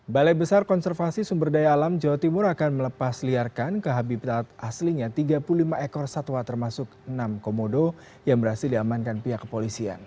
balai besar konservasi sumber daya alam jawa timur akan melepas liarkan ke habitat aslinya tiga puluh lima ekor satwa termasuk enam komodo yang berhasil diamankan pihak kepolisian